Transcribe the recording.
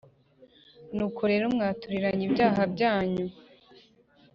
Nuko rero mwaturirane ibyaha byanyu